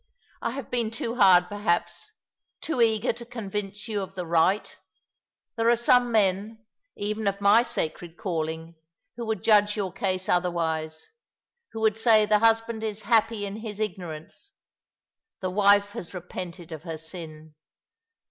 "I have been too hard, perhaps, too eager to convince you of the right ! There are some men, even of my sacred calling, who would judge your case otherv; ise — who would say the husband is happy in his ignorance; the wife has repented of her sin.